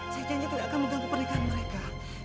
saya janji tidak akan mengganggu pernikahan mereka